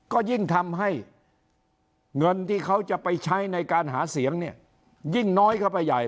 ก็ยิ่งทำให้เงินที่เขาจะไปใช้ในการหาเสียงเนี่ยยิ่งน้อยเข้าไปใหญ่